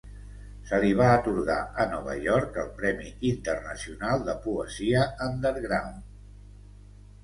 Se li va atorgar a Nova York el premi internacional de Poesia Underground.